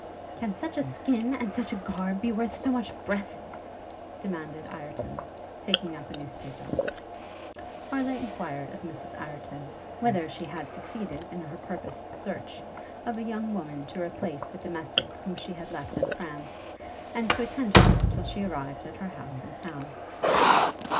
'Can such a skin, and such a garb, be worth so much breath?' demanded Ireton, taking up a news paper. Harleigh enquired of Mrs Ireton, whether she had succeeded in her purposed search, of a young woman to replace the domestic whom she had left in France, and to attend her till she arrived at her house in town.